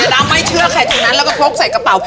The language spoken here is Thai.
เราไม่เชื่อใครทั้งนั้นแล้วก็พกใส่กระเป๋า